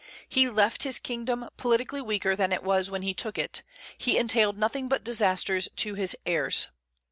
He left his kingdom politically weaker than it was when he took it; he entailed nothing but disasters to his heirs.